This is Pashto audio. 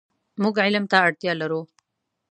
مونږ علم ته اړتیا لرو .